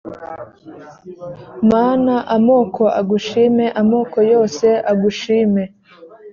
mana amoko agushime. amoko yose agushime